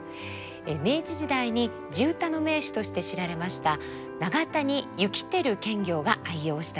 明治時代に地唄の名手として知られました長谷幸輝検校が愛用したという三味線です。